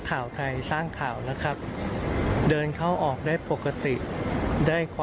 ด่าใครอ่ะนักข่าวตอแหลด่าใครอ่ะ